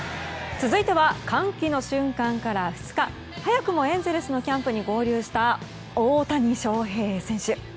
続いては歓喜の瞬間から２日早くもエンゼルスのキャンプに合流した大谷翔平選手。